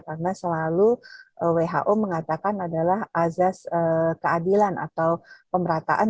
karena selalu who mengatakan adalah azas keadilan atau pemerataan